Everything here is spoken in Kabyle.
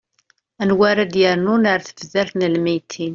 anwa ara d-yernun ar tebdart n lmeyytin